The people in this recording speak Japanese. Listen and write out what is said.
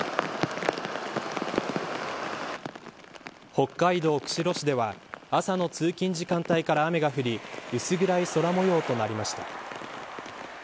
北海道釧路市では朝の通勤時間帯から雨が降り薄暗い空模様となりました。